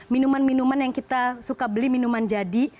minuman minuman yang kita suka beli minuman jadi